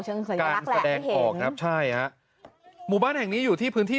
เชิงสัญลักษณ์แหละการแสดงออกนับใช่ฮะหมู่บ้านแห่งนี้อยู่ที่พื้นที่